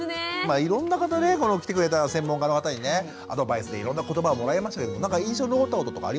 いろんな方ねこの来てくれた専門家の方にねアドバイスでいろんなことばをもらいましたけど何か印象に残ったこととかありますか？